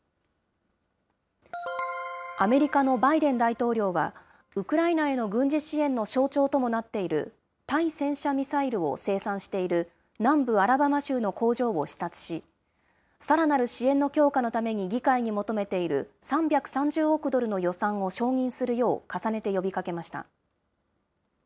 アメリカのバイデン大統領は、ウクライナへの軍事支援の象徴ともなっている、対戦車ミサイルを生産している南部アラバマ州の工場を視察し、さらなる支援の強化のために議会に求めている、３３０億ドルの予算を承認するよう重ねて呼びかけました。